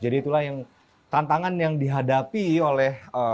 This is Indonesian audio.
jadi itulah yang tantangan yang dihadapi oleh